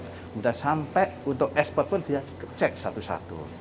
kemudian sampai untuk ekspor pun dia dicek satu satu